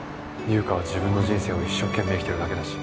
優香は自分の人生を一生懸命生きてるだけだし。